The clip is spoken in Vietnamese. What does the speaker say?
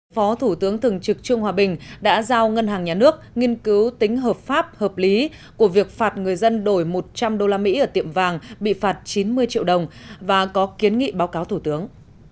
phó thủ tướng thường trực trương hòa bình đã giao ngân hàng nhà nước nghiên cứu tính hợp pháp hợp lý của việc phạt người dân đổi một trăm linh usd ở tiệm vàng bị phạt chín mươi triệu đồng và có kiến nghị báo cáo thủ tướng